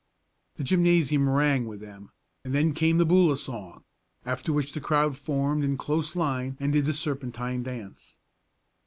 The gymnasium rang with them, and then came the Boola song, after which the crowd formed in close line and did the serpentine dance.